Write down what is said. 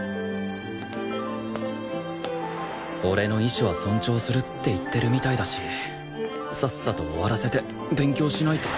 俺の意志は尊重するって言ってるみたいだしさっさと終わらせて勉強しないと